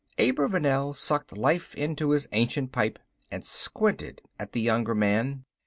Abravanel sucked life into his ancient pipe and squinted at the younger man.